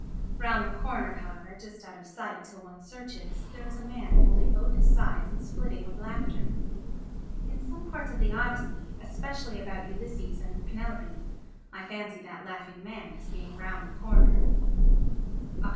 Round the corner, however, just out of sight till one searches, there is a man holding both his sides and splitting with laughter. In some parts of the Odyssey, especially about Ulysses and Penelope, I fancy that laughing man as being round the corner. [Oct.